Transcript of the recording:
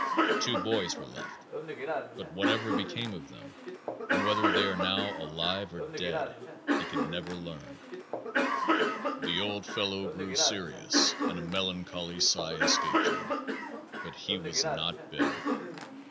Two boys were left, but whatever became of them and whether they are now alive or dead, he could never learn. The old fellow grew serious and a melancholy sigh escaped him. But he was not bitter.